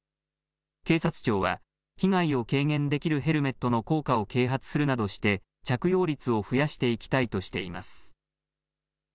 警察庁は被害を軽減できるヘルメットの効果を啓発するなどして着用率を増やしていきたいとしています。